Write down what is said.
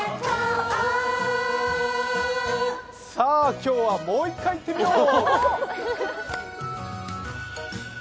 今日はもう一回いってみよう。